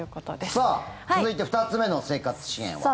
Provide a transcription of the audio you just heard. さあ、続いて２つ目の生活支援は。